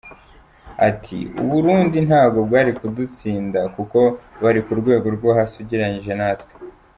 Ati “U Burundi ntabwo bwari kudutsinda kuko bari ku rwego rwo hasi igereranyije natwe.